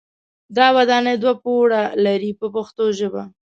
دا ودانۍ دوه پوړه لري په پښتو ژبه.